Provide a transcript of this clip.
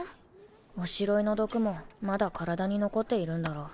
おしろいの毒もまだ体に残っているんだろう。